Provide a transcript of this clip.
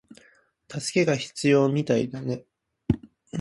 助けが必要みたいだね